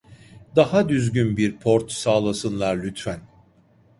Daha düzgün bir port sağlasınlar lütfen